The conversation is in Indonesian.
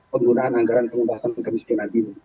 penggunaan anggaran pengembangan kemiskinan ini